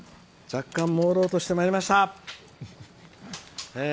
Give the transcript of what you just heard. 若干、もうろうとしてまいりました。